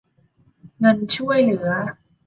เงินช่วยเหลือ